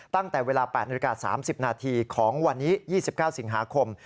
ตั้งแต่เวลา๘นาฬิกา๓๐นาทีของวันนี้๒๙สิงหาคม